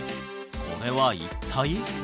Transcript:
これは一体？